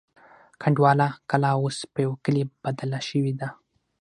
کنډواله کلا اوس په یوه کلي بدله شوې ده.